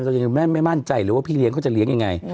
เรายังไม่มั่นใจเลยว่าพี่เลี้ยเขาจะเลี้ยงยังไง